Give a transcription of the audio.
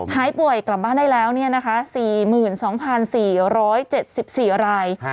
หายป่วยกลับบ้านได้แล้วเนี่ยนะคะ๔๒๔๗๔ราย